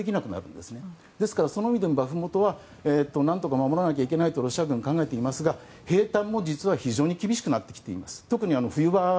ですから、その意味でもバフムトは何とか守らないといけないとロシア軍は考えていますが兵たんも実は非常に厳しくなってきています。